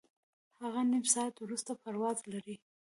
هغه نیم ساعت وروسته پرواز لري.